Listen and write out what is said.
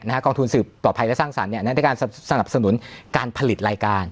กองทุนสืบปลอดภัยและสร้างสรรค์ในการสนับสนุนการผลิตรายการ